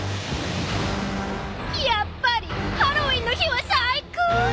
やっぱりハロウィーンの日は最高。